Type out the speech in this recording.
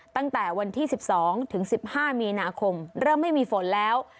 ตั้งแต่วันที่๑๒ถึง๑๕มีนาคมเริ่มไม่มีฝนแล้ว